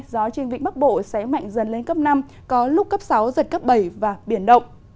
gió trên vĩnh bắc bộ sẽ mạnh dần lên cấp năm có lúc cấp sáu giật cấp bảy và biển động